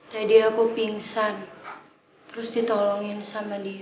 aku pingsan terus ditolongin sama dia